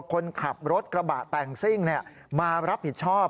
คนขับรถกระบะแต่งซิ่งมารับผิดชอบ